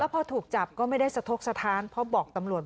พอถูกจับก็ไม่ได้สะทกสถานเพราะบอกตำรวจ